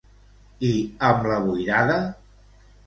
I amb la boirada?